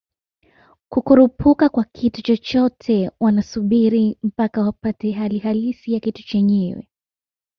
kukurupuka kwa kitu chochote wanasubiri mpaka wapate hali halisi ya kitu chenyewe